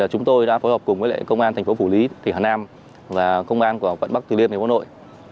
chúng tôi đã phối hợp cùng công an thành phố phủ lý tỉnh hà nam và công an quận bắc từ liêm tỉnh hà nội